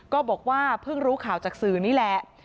ก็บอกว่าเพิ่งรู้ข่าวจากสื่อนี่แหละ